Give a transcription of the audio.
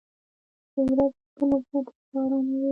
د ورځې په نسبت شپه آرامه وي.